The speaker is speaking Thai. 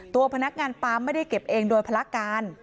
ตัวพนักงานปั๊มไม่ได้เก็บเองโดยภาระการ